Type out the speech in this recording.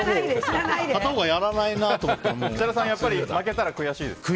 設楽さん、やっぱり負けたら悔しいですか？